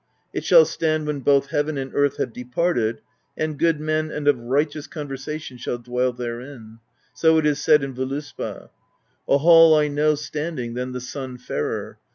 ^ It shall stand when both heaven and earth have departed; and good men and of righteous conversation shall dwell therein: so it is said in Voluspa : A hall I know standing than the sun fairer.